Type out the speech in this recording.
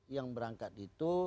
yang berangkat itu